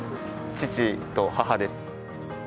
父と母です。